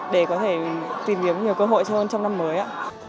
để có thể tìm kiếm nhiều cơ hội cho hơn trong năm mới ạ